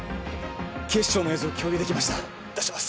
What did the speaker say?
警視庁の映像共有できました出します